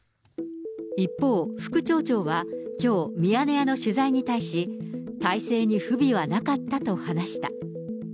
一方、副町長はきょう、ミヤネ屋の取材に対し、体制に不備はなかったと話した。